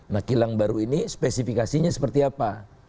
nah kilang baru ini spesifikasinya seperti apa